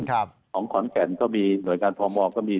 ของขอนแก่นก็มีหน่วยงานพมก็มี